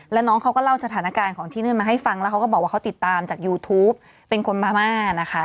แล้วน้องเขาก็เล่าสถานการณ์ของที่นั่นมาให้ฟังแล้วเขาก็บอกว่าเขาติดตามจากยูทูปเป็นคนมาม่านะคะ